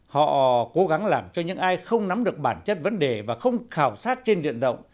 họ cố gắng làm cho những ai không nắm được bản chất vấn đề và không khảo sát trên diện động